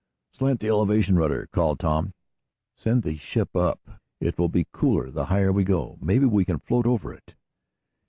"Slant the elevation rudder," called Tom. "Send the ship up. It will be cooler the higher we go. Maybe we can float over it!"